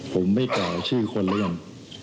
ผมไม่กล่าวชื่อคนเรื่อง